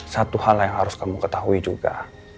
satu hal yang harus kamu ketahui juga